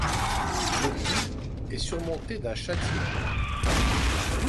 Le tout est surmonté d'un chatior.